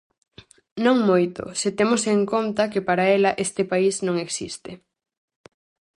Non moito, se temos en conta que para ela este país non existe.